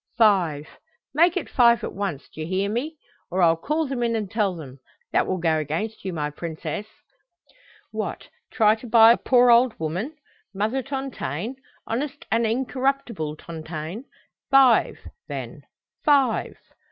"Five make it five at once, d'ye hear me? or I'll call them in and tell them. That will go against you, my princess. What, try to bribe a poor old woman, Mother Tontaine, honest and incorruptible Tontaine? Five, then, five!"